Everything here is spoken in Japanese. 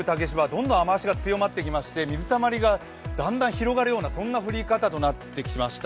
どんどん雨足が強まってきまして水たまりがだんだん広がるようなそんな降り方となってきました。